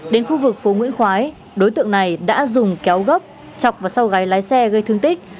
đến khu vực phố nguyễn khoái đối tượng này đã dùng kéo gấp chọc vào sau gáy lái xe gây thương tích